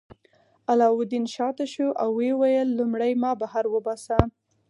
علاوالدین شاته شو او ویې ویل لومړی ما بهر وباسه.